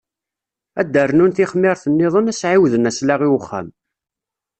Ad d-rnun tixmirt-nniḍen, ad s-ɛiwden aslaɣ i uxxam.